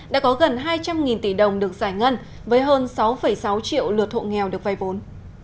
đã có gần hai trăm linh tỷ đồng được giải ngân với hơn sáu sáu triệu lượt hộ nghèo được vay vốn